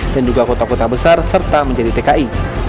dan juga kota kota besar serta menjadi tki